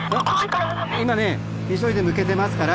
今ね急いで向けてますから。